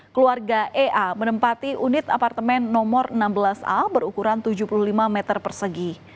keluarga ea menempati unit apartemen nomor enam belas a berukuran tujuh puluh lima meter persegi